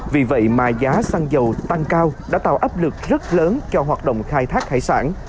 vì vậy mà giá xăng dầu tăng cao đã tạo áp lực rất lớn cho hoạt động khai thác hải sản